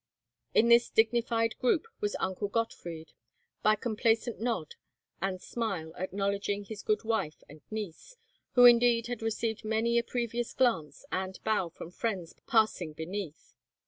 In this dignified group was Uncle Gottfried, by complacent nod and smile acknowledging his good wife and niece, who indeed had received many a previous glance and bow from friends passing beneath.